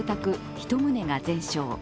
１棟が全焼。